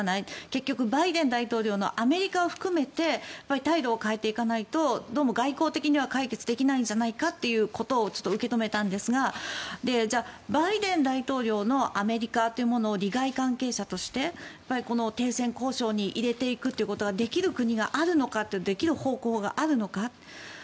結局、バイデン大統領のアメリカを含めて態度を変えていかないとどうも外交的には解決できないんじゃないかということを受け止めたんですがじゃあ、バイデン大統領のアメリカというものを利害関係者として停戦交渉に入れていくということはできる国があるのかできる方向があるのか。